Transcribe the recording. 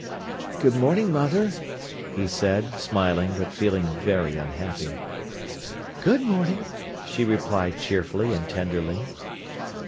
"Good morning, mother," he said, smiling, but feeling very unhappy. "Good morning," she replied cheerfully and tenderly.